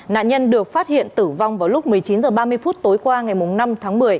nạn nhân được phát hiện tử vong vào lúc một mươi chín h ba mươi phút tối qua ngày năm tháng một mươi